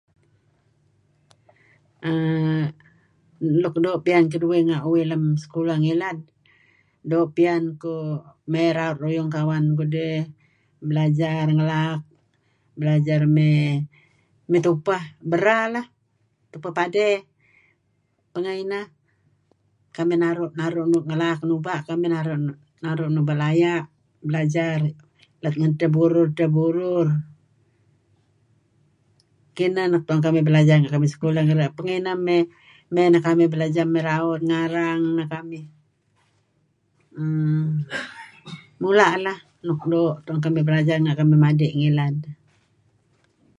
err Luk doo' piyan keduih kereb uih lem sekulah malem doo' piyan kuh mey raut ruyung kawan kudih belajar ngelaak belajar mey tupeh bera lah tupeh padey pengeh ineh kamih naru' naru' ngelaak nuba'kamih naru' nuba' laya' belajar let ngen edtah burur edtah burur kineh nuk tu'en kamih belajar ngilad mey neh kamih belajar mey raut ngarang neh neh kamih err mula' leh nuk ddo tu'en kamih belajar renga' kamih madi; ngilad.